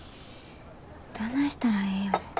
どないしたらええんやろ。